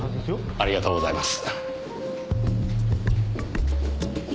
ありがとうございます。